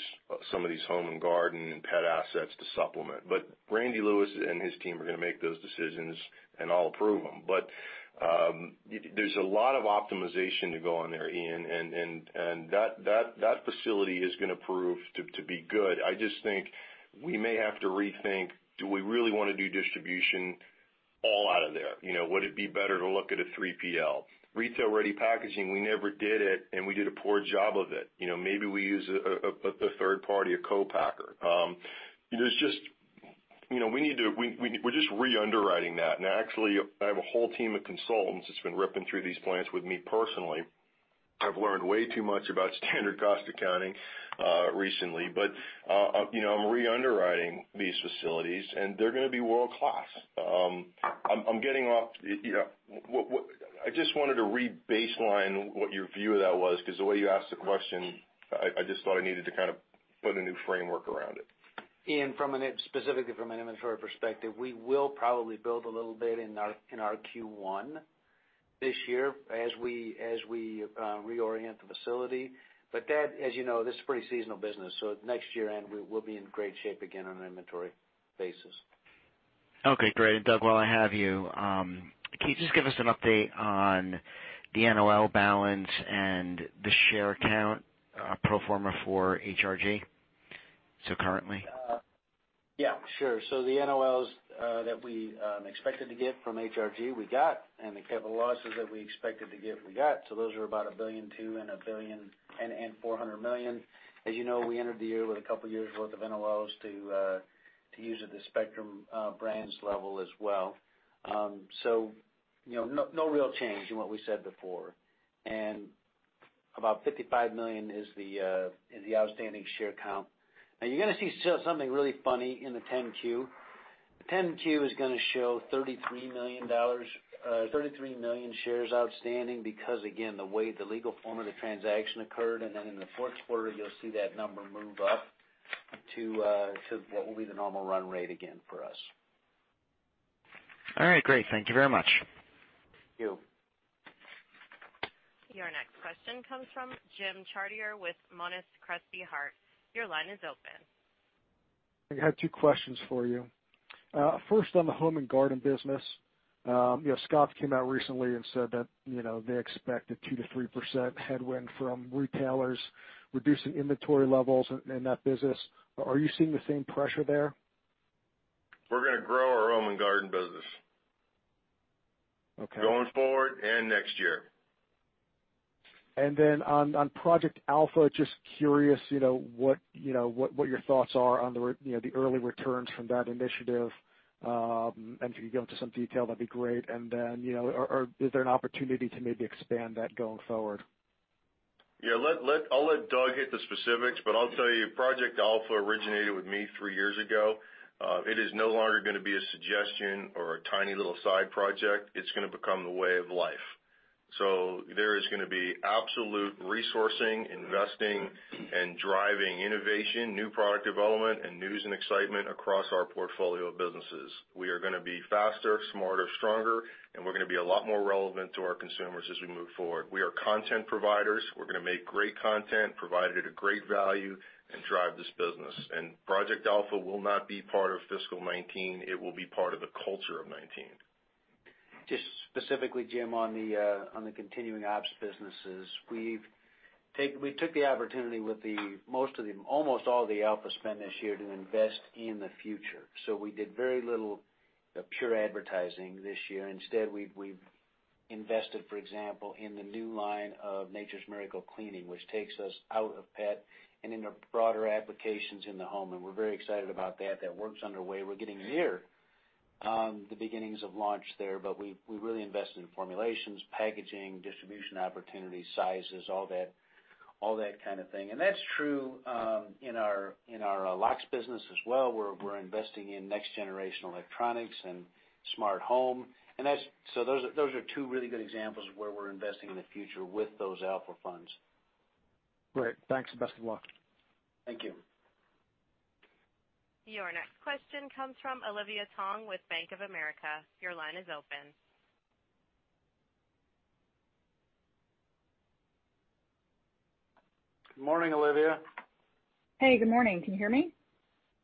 some of these Home and Garden and pet assets to supplement. Randal Lewis and his team are going to make those decisions, and I'll approve them. There's a lot of optimization to go on there, Ian, that facility is going to prove to be good. I just think we may have to rethink, do we really want to do distribution all out of there? Would it be better to look at a 3PL? Retail-ready packaging, we never did it, we did a poor job of it. Maybe we use a third party, a co-packer. We're just re-underwriting that. Actually, I have a whole team of consultants that's been ripping through these plants with me personally. I've learned way too much about standard cost accounting recently. I'm re-underwriting these facilities, they're going to be world-class. I just wanted to re-baseline what your view of that was, because the way you asked the question, I just thought I needed to kind of put a new framework around it. Ian, specifically from an inventory perspective, we will probably build a little bit in our Q1 this year as we reorient the facility. As you know, this is a pretty seasonal business, next year, we will be in great shape again on an inventory basis. Okay, great. Doug, while I have you, can you just give us an update on the NOL balance and the share count pro forma for HRG? Currently. Yeah, sure. The NOLs that we expected to get from HRG, we got, and the capital losses that we expected to get, we got. Those are about $1.2 billion and $1.4 billion. As you know, we entered the year with a couple of years worth of NOLs to use at the Spectrum Brands level as well. No real change in what we said before. About 55 million is the outstanding share count. You're going to see something really funny in the 10-Q. The 10-Q is going to show 33 million shares outstanding because, again, the way the legal form of the transaction occurred. In the fourth quarter, you'll see that number move up to what will be the normal run rate again for us. All right, great. Thank you very much. Thank you. Your next question comes from Jim Chartier with Monness, Crespi, Hardt & Co. Your line is open. I have two questions for you. First, on the Home and Garden business. Scotts came out recently and said that they expect a 2%-3% headwind from retailers reducing inventory levels in that business. Are you seeing the same pressure there? We're going to grow our Home and Garden business. Okay. Going forward and next year. On Project Alpha, just curious what your thoughts are on the early returns from that initiative. If you could go into some detail, that'd be great. Is there an opportunity to maybe expand that going forward? Yeah. I'll let Doug hit the specifics, but I'll tell you, Project Alpha originated with me three years ago. It is no longer going to be a suggestion or a tiny little side project. It's going to become the way of life. There is going to be absolute resourcing, investing, and driving innovation, new product development, and news and excitement across our portfolio of businesses. We are going to be faster, smarter, stronger, and we're going to be a lot more relevant to our consumers as we move forward. We are content providers. We're going to make great content, provide it at a great value, and drive this business. Project Alpha will not be part of fiscal 2019. It will be part of the culture of 2019. Just specifically, Jim, on the continuing ops businesses. We took the opportunity with almost all the alpha spend this year to invest in the future. We did very little pure advertising this year. Instead, we've invested, for example, in the new line of Nature's Miracle Cleaning, which takes us out of pet and into broader applications in the home, and we're very excited about that. That work's underway. We're getting near the beginnings of launch there, but we really invested in formulations, packaging, distribution opportunities, sizes, all that kind of thing. That's true in our locks business as well. We're investing in next-generation electronics and smart home. Those are two really good examples of where we're investing in the future with those alpha funds. Great. Thanks and best of luck. Thank you. Your next question comes from Olivia Tong with Bank of America. Your line is open. Morning, Olivia. Hey, good morning. Can you hear me?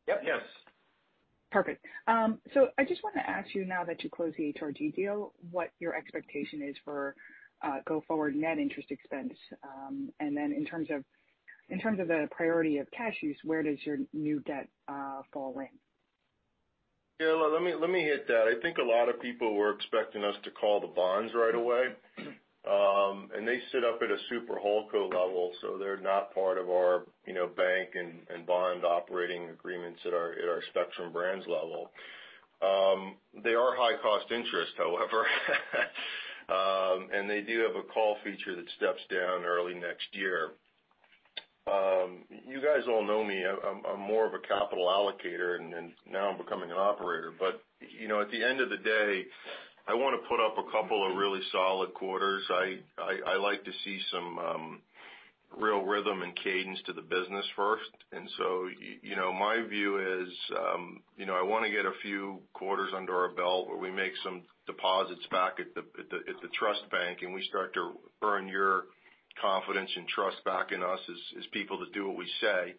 Yep. Yes. Perfect. I just want to ask you now that you closed the HRG deal, what your expectation is for go forward net interest expense. In terms of the priority of cash use, where does your new debt fall in? Yeah, let me hit that. I think a lot of people were expecting us to call the bonds right away. They sit up at a super holdco level, so they're not part of our bank and bond operating agreements at our Spectrum Brands level. They are high cost interest, however. They do have a call feature that steps down early next year. You guys all know me. I'm more of a capital allocator, and now I'm becoming an operator. At the end of the day, I want to put up a couple of really solid quarters. I like to see some real rhythm and cadence to the business first. My view is I want to get a few quarters under our belt where we make some deposits back at the trust bank, and we start to earn your confidence and trust back in us as people that do what we say.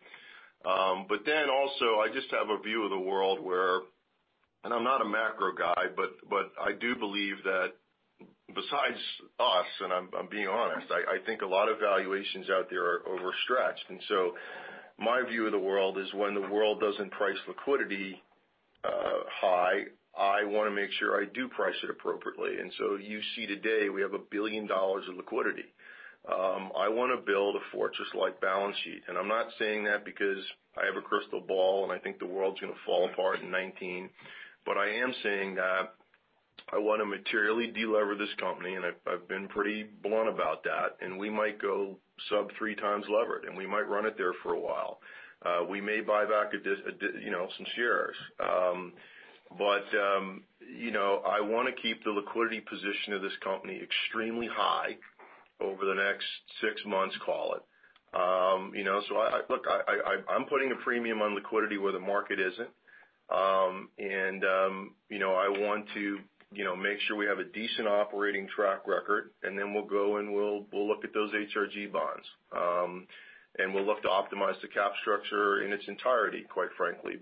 I just have a view of the world where, and I'm not a macro guy, but I do believe that besides us, and I'm being honest, I think a lot of valuations out there are overstretched. My view of the world is when the world doesn't price liquidity high, I want to make sure I do price it appropriately. You see today we have $1 billion in liquidity. I want to build a fortress-like balance sheet. I'm not saying that because I have a crystal ball, and I think the world's gonna fall apart in 2019. I am saying that I want to materially de-lever this company, and I've been pretty blunt about that, and we might go sub 3x levered, and we might run it there for a while. We may buy back some shares. I want to keep the liquidity position of this company extremely high over the next six months, call it. Look, I'm putting a premium on liquidity where the market isn't. I want to make sure we have a decent operating track record, and then we'll go and we'll look at those HRG bonds. We'll look to optimize the cap structure in its entirety, quite frankly.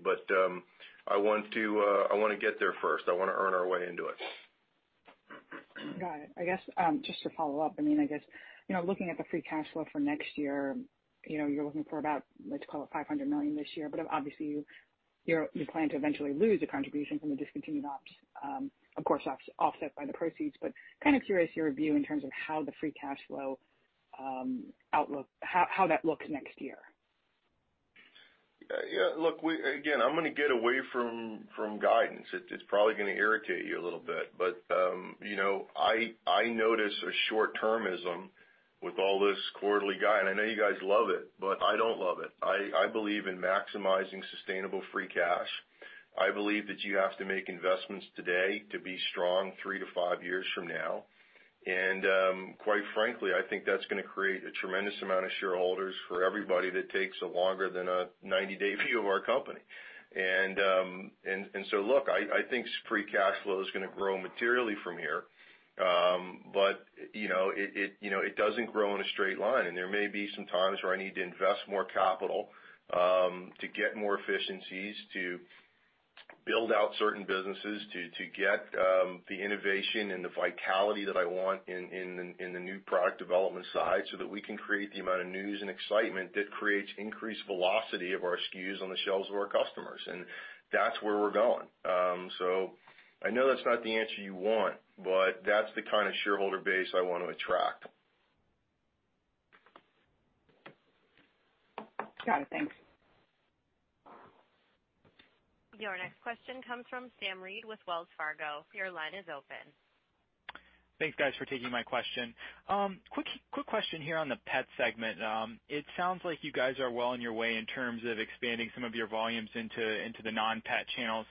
I want to get there first. I want to earn our way into it. Got it. I guess, just to follow up, I guess, looking at the free cash flow for next year, you're looking for about, let's call it $500 million this year, but obviously, you plan to eventually lose the contribution from the discontinued ops, of course, offset by the proceeds, but kind of curious your view in terms of how the free cash flow outlook, how that looks next year. Look, again, I'm going to get away from guidance. It's probably going to irritate you a little bit, but I notice a short-termism with all this quarterly guide. I know you guys love it, but I don't love it. I believe in maximizing sustainable free cash. I believe that you have to make investments today to be strong three to five years from now. Quite frankly, I think that's going to create a tremendous amount of shareholders for everybody that takes longer than a 90-day view of our company. Look, I think free cash flow is going to grow materially from here. It doesn't grow in a straight line. There may be some times where I need to invest more capital to get more efficiencies, to build out certain businesses, to get the innovation and the vitality that I want in the new product development side so that we can create the amount of news and excitement that creates increased velocity of our SKUs on the shelves of our customers. That's where we're going. I know that's not the answer you want, that's the kind of shareholder base I want to attract. Got it. Thanks. Your next question comes from Sam Reid with Wells Fargo. Your line is open. Thanks, guys, for taking my question. Quick question here on the pet segment. It sounds like you guys are well on your way in terms of expanding some of your volumes into the non-pet channels.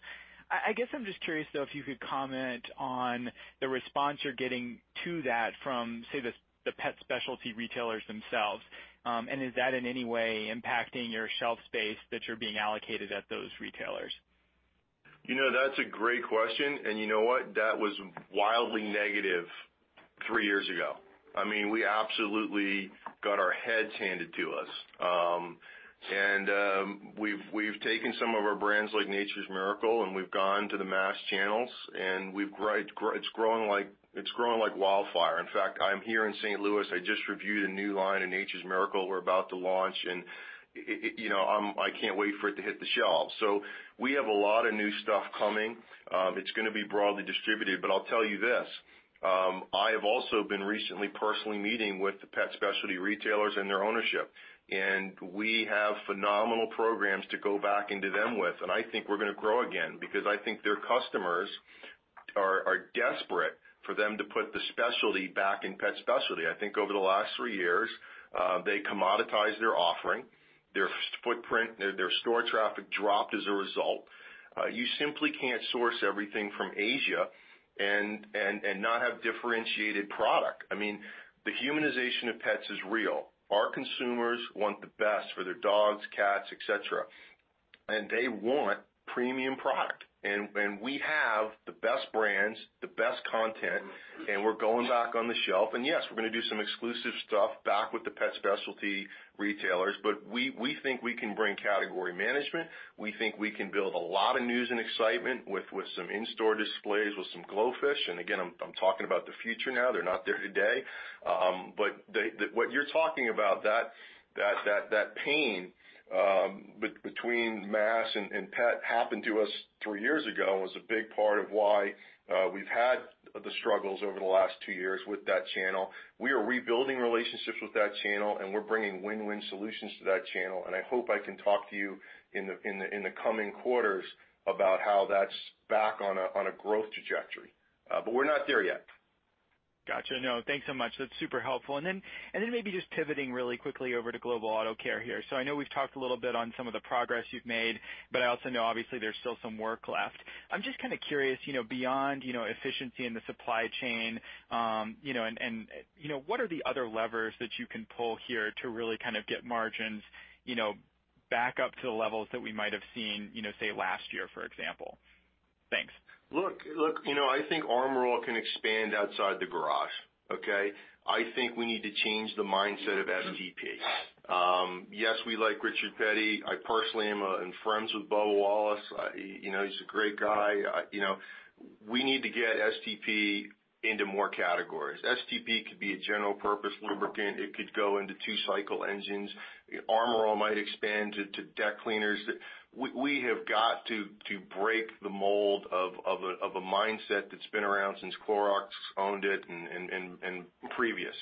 I guess I'm just curious, though, if you could comment on the response you're getting to that from, say, the pet specialty retailers themselves. Is that in any way impacting your shelf space that you're being allocated at those retailers? That's a great question. You know what? That was wildly negative 3 years ago. We absolutely got our heads handed to us. We've taken some of our brands like Nature's Miracle, and we've gone to the mass channels, and it's growing like wildfire. In fact, I'm here in St. Louis. I just reviewed a new line in Nature's Miracle we're about to launch, and I can't wait for it to hit the shelves. We have a lot of new stuff coming. It's going to be broadly distributed. I'll tell you this, I have also been recently personally meeting with the pet specialty retailers and their ownership. I think we're going to grow again because I think their customers are desperate for them to put the specialty back in pet specialty. I think over the last 3 years, they commoditized their offering, their footprint, their store traffic dropped as a result. You simply can't source everything from Asia and not have differentiated product. The humanization of pets is real. Our consumers want the best for their dogs, cats, et cetera, and they want premium product. We have the best brands, the best content, and we're going back on the shelf. Yes, we're going to do some exclusive stuff back with the pet specialty retailers, but we think we can bring category management. We think we can build a lot of news and excitement with some in-store displays, with some GloFish. Again, I'm talking about the future now. They're not there today. What you're talking about, that pain between mass and pet happened to us 3 years ago, and was a big part of why we've had the struggles over the last 2 years with that channel. We are rebuilding relationships with that channel, and we're bringing win-win solutions to that channel. I hope I can talk to you in the coming quarters about how that's back on a growth trajectory. We're not there yet. Thanks so much. That's super helpful. Maybe just pivoting really quickly over to Global Auto Care here. I know we've talked a little bit on some of the progress you've made, but I also know obviously there's still some work left. I'm just kind of curious, beyond efficiency in the supply chain, what are the other levers that you can pull here to really kind of get margins back up to the levels that we might have seen, say, last year, for example? Thanks. Look, I think Armor All can expand outside the garage. Okay? I think we need to change the mindset of STP. Yes, we like Richard Petty. I personally am friends with Bubba Wallace. He's a great guy. We need to get STP into more categories. STP could be a general purpose lubricant. It could go into two-cycle engines. Armor All might expand to deck cleaners. We have got to break the mold of a mindset that's been around since Clorox owned it and previous.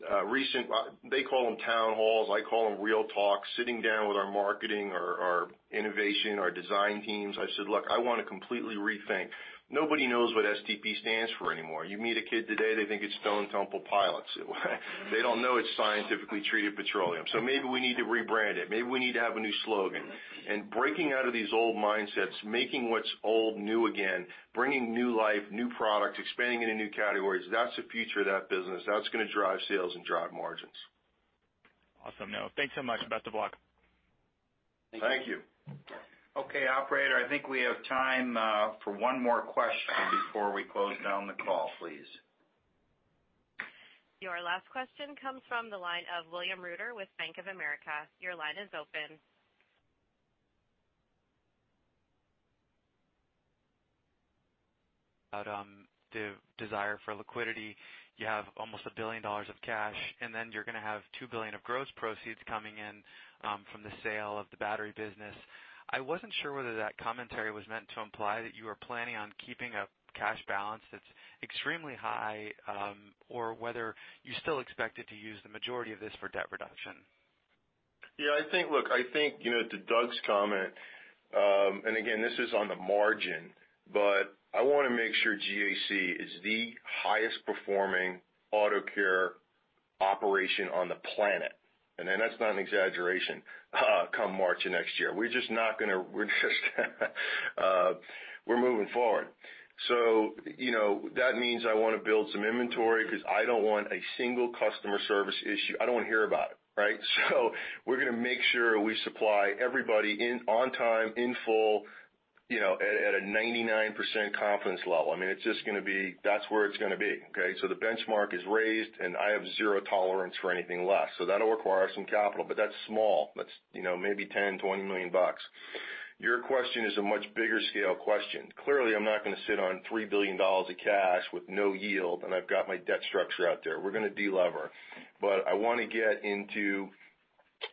They call them town halls, I call them real talks, sitting down with our marketing, our innovation, our design teams. I said, "Look, I want to completely rethink." Nobody knows what STP stands for anymore. You meet a kid today, they think it's Stone Temple Pilots. They don't know it's Scientifically Treated Petroleum. Maybe we need to rebrand it. Maybe we need to have a new slogan. Breaking out of these old mindsets, making what's old new again, bringing new life, new products, expanding into new categories, that's the future of that business. That's going to drive sales and drive margins. Awesome. Thanks so much. Best of luck. Thank you. Thank you. Okay, operator, I think we have time for one more question before we close down the call, please. Your last question comes from the line of William Reuter with Bank of America. Your line is open. About the desire for liquidity. You have almost $1 billion of cash, and then you're gonna have $2 billion of gross proceeds coming in from the sale of the battery business. I wasn't sure whether that commentary was meant to imply that you are planning on keeping a cash balance that's extremely high, or whether you still expected to use the majority of this for debt reduction. I think to Doug's comment, again, this is on the margin, I want to make sure GAC is the highest performing auto care operation on the planet, that's not an exaggeration, come March of next year. We're just moving forward. That means I want to build some inventory because I don't want a single customer service issue. I don't want to hear about it. Right? We're going to make sure we supply everybody on time, in full, at a 99% confidence level. That's where it's going to be. Okay? The benchmark is raised, I have zero tolerance for anything less. That'll require some capital, that's small. That's maybe $10 million, $20 million. Your question is a much bigger scale question. Clearly, I'm not going to sit on $3 billion of cash with no yield, I've got my debt structure out there. We're going to de-lever.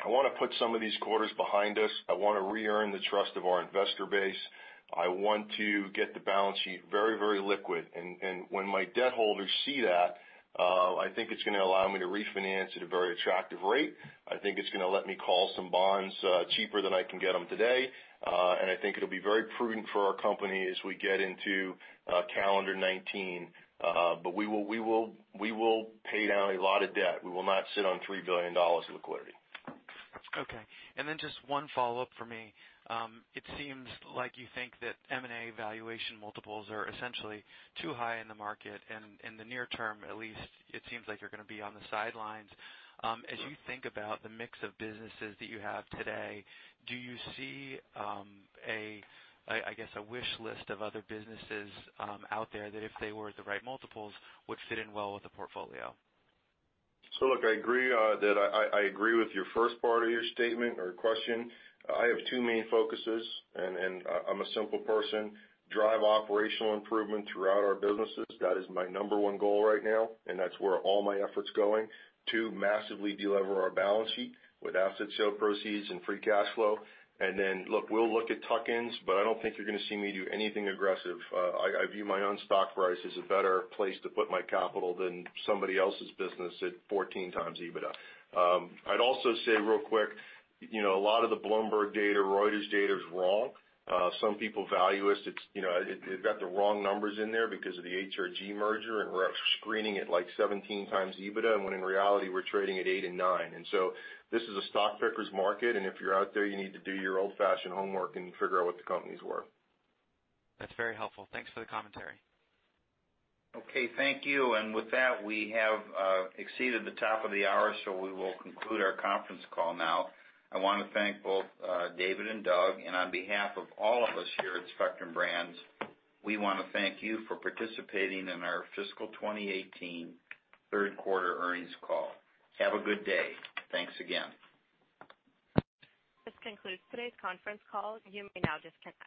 I want to put some of these quarters behind us. I want to re-earn the trust of our investor base. I want to get the balance sheet very liquid. When my debt holders see that, I think it's going to allow me to refinance at a very attractive rate. I think it's going to let me call some bonds cheaper than I can get them today. I think it'll be very prudent for our company as we get into calendar 2019. We will pay down a lot of debt. We will not sit on $3 billion of liquidity. Okay. Just one follow-up for me. It seems like you think that M&A valuation multiples are essentially too high in the market, in the near term at least, it seems like you're going to be on the sidelines. As you think about the mix of businesses that you have today, do you see, I guess, a wish list of other businesses out there that, if they were at the right multiples, would fit in well with the portfolio? Look, I agree with your first part of your statement or question. I have two main focuses, I'm a simple person. Drive operational improvement throughout our businesses. That is my number one goal right now, that's where all my effort's going. Two, massively de-lever our balance sheet with asset sale proceeds and free cash flow. Look, we'll look at tuck-ins, I don't think you're going to see me do anything aggressive. I view my own stock price as a better place to put my capital than somebody else's business at 14 times EBITDA. I'd also say real quick, a lot of the Bloomberg data, Reuters data is wrong. Some people value us, they've got the wrong numbers in there because of the HRG merger, we're out screening at like 17 times EBITDA, when in reality, we're trading at eight and nine. This is a stock picker's market, and if you're out there, you need to do your old-fashioned homework and figure out what the company's worth. That's very helpful. Thanks for the commentary. Okay. Thank you. With that, we have exceeded the top of the hour, so we will conclude our conference call now. I want to thank both David and Doug, and on behalf of all of us here at Spectrum Brands, we want to thank you for participating in our fiscal 2018 third quarter earnings call. Have a good day. Thanks again. This concludes today's conference call. You may now disconnect.